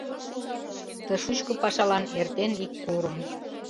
Ты шучко пашалан эртен ик курым